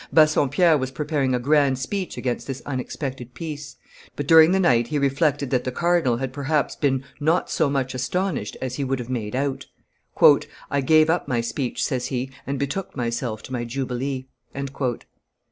Bassompierre was preparing a grand speech against this unexpected peace, but during the night he reflected that the cardinal had perhaps been not so much astonished as he would have made out. "I gave up my speech," says he, "and betook myself to my jubilee."